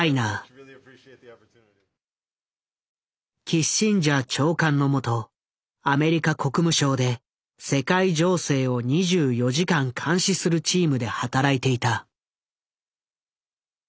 キッシンジャー長官の下アメリカ国務省で世界情勢を２４時間監視するチームで働いていた。